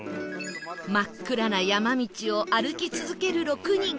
真っ暗な山道を歩き続ける６人